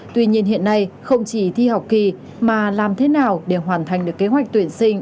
tuy nhiên hiện nay không chỉ thi học kỳ mà làm thế nào để hoàn thành được kế hoạch tuyển sinh